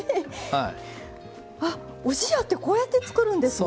おじやってこうやって作るんですね。